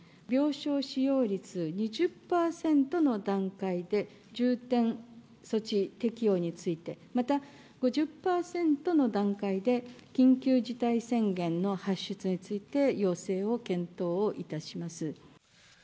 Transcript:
病床使用率２０％の段階で、重点措置適用について、また、５０％の段階で、緊急事態宣言の発出について要請を検討をいたします。